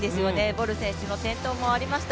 ボル選手の転倒もありました。